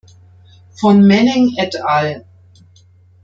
Von Manning et al.